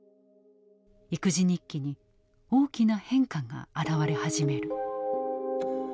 育児日記に大きな変化が現れ始める。